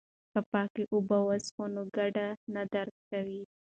که پاکې اوبه وڅښو نو ګېډه نه درد کوي.